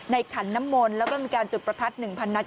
ขันน้ำมนต์แล้วก็มีการจุดประทัด๑๐๐นัด